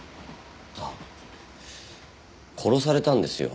ああ殺されたんですよ